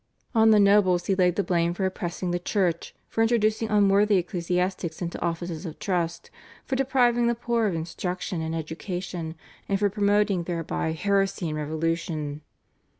On the nobles he laid the blame for oppressing the Church, for introducing unworthy ecclesiastics into offices of trust, for depriving the poor of instruction and education, and for promoting thereby heresy and revolution.